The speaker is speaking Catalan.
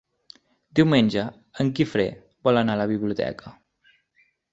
Diumenge en Guifré vol anar a la biblioteca.